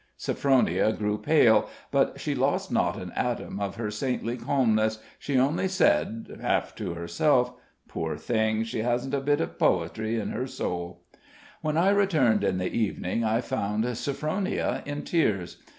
Sophronia grew pale, but she lost not an atom of her saintly calmness; she only said, half to herself: "Poor thing! she hasn't a bit of poetry in her soul." When I returned in the evening, I found Sophronia in tears.